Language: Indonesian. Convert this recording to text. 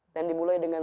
dan dimulai dengan